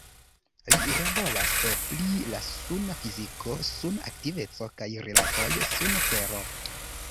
Li laboras pri la suna fiziko, suna aktiveco kaj rilatoj Suno-tero.